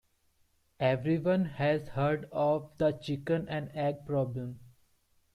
Everyone has heard of the chicken and egg problem.